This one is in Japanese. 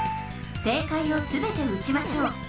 正解をすべて撃ちましょう。